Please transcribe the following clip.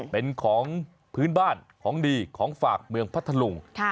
เป็นของพื้นบ้านของดีของฝากเมืองพัทธลุง